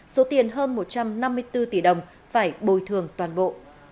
số tiền hơn một trăm năm mươi bốn tỷ đồng phải bồi thường toàn bộ